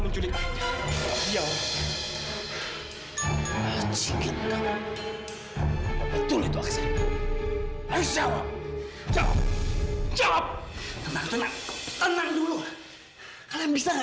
menculiknya ya hai cinta betul itu aksanmu ayo jawab jawab jawab tenang dulu kalian bisa